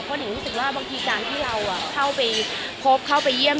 เพราะหนึ่งรู้สึกว่าบางทีการที่เราเข้าไปพบเข้าไปเยี่ยม